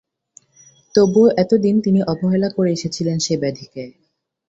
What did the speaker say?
তবুও এতদিন তিনি অবহেলা করে এসেছিলেন সে ব্যাধিকে।